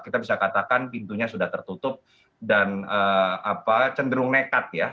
kita bisa katakan pintunya sudah tertutup dan cenderung nekat ya